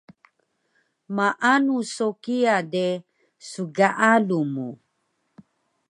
Maanu so kiya de, sgaalu mu